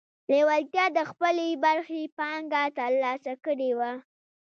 لېوالتیا د خپلې برخې پانګه ترلاسه کړې وه